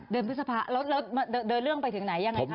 พฤษภาแล้วเดินเรื่องไปถึงไหนยังไงคะ